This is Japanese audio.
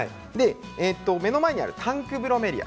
目の前にあるタンクブロメリア